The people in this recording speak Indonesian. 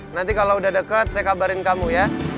nanti kalau udah deket saya kabarin kamu ya